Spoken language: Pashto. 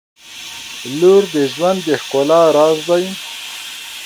• لور د ژوند د ښکلا راز دی.